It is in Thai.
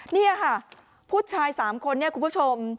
นี่ค่ะผู้ชาย๓คนคุณผู้ชม